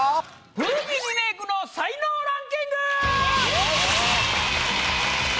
古着リメイクの才能ランキング！